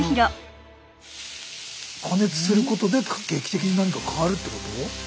加熱することで劇的に何か変わるってこと？